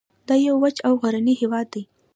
دا یو وچ او غرنی هیواد دی